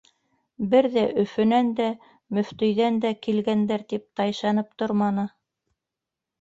Бер ҙә, Өфөнән дә, мөфтөйҙән дә килгәндәр, тип тайшанып торманы.